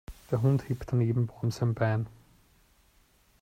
Der Hund hebt an jedem Baum sein Bein.